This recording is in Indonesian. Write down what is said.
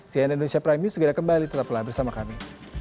cnn indonesia prime news segera kembali tetaplah bersama kami